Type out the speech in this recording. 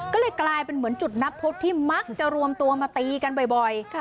ก็เลยกลายเป็นเหมือนจุดนับพุทธที่มักจะรวมตัวมาตีกันบ่อย